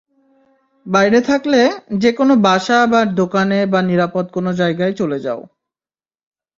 বাইরে থাকলে, যেকোনো বাসা বা দোকানে বা নিরাপদ কোনো জায়গায় চলে যাও।